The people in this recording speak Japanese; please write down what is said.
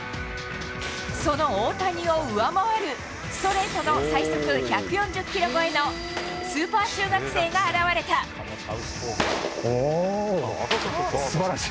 その大谷を上回るストレートの最速１４０キロ超えのスーパー中学おお、すばらしい。